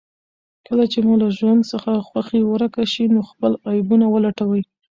کله چې مو له ژوند څخه خوښي ورکه شي، نو خپل عيبونه ولټوئ.